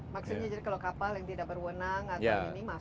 maksudnya kalau kapal yang tidak berwenang atau minimas